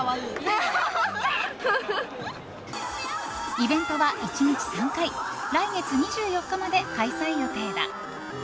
イベントは１日３回来月２４日まで開催予定だ。